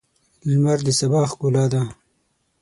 لمر د سبا ښکلا ده.